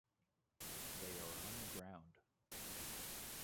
They are on the ground.